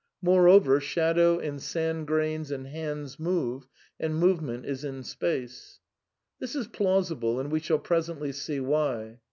Moreover, shadow and sand grains and handff'^ move, and movement is in space. This is plausible — and we shall presently see why.